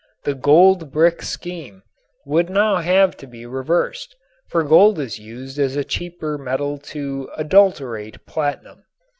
The "gold brick" scheme would now have to be reversed, for gold is used as a cheaper metal to "adulterate" platinum.